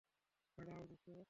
দাঁড়াও, দোস্ত।